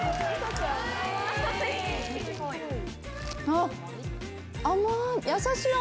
あっ！